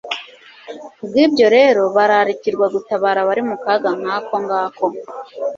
kubw'ibyo rero bararikirwa gutabara abari mu kaga nk'ako ngako.